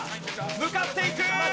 向かっていく！